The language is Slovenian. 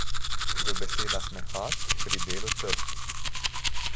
V besedah mehak, pri delu trd.